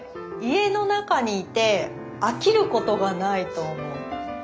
家の中にいて飽きることがないと思う。